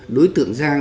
đối tượng giang